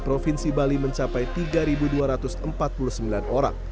provinsi bali mencapai tiga dua ratus empat puluh sembilan orang